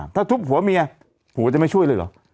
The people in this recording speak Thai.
ถ้าทุบหัวเมียผัวจะไม่ช่วยเลยเหรอ